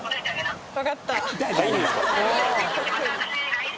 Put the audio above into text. わかった。